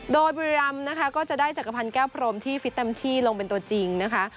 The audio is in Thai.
โดยบุรีรำนะคะก็จะได้จักรพันธ์แก้วพรมที่ฟิตเต็มที่ลงเป็นตัวจริงนะคะ